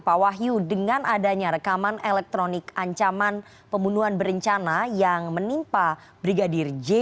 pak wahyu dengan adanya rekaman elektronik ancaman pembunuhan berencana yang menimpa brigadir j